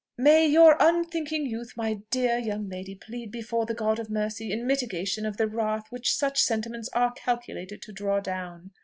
"May your unthinking youth, my dear young lady, plead before the God of mercy in mitigation of the wrath which such sentiments are calculated to draw down!"